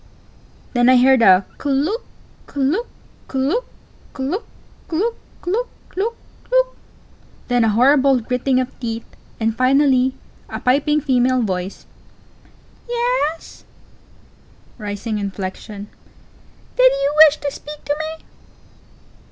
Then I heard k look, k look, k'look klook klook klook look look! then a horrible "gritting" of teeth, and finally a piping female voice: Y e s? (Rising inflection.) Did you wish to speak to me?